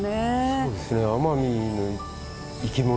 そうですね。